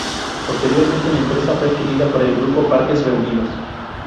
Posteriormente, la empresa fue adquirida por el grupo Parques Reunidos.